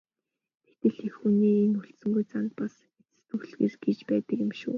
Тэгтэл эх хүний энэ хүлцэнгүй занд бас эцэс төгсгөл гэж байдаг байна шүү.